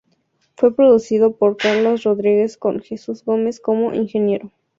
Fue producido por Carlos Rodríguez con Jesús Gómez como ingeniero.